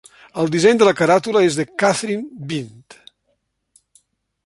El disseny de la caràtula és de Kathryn Bint.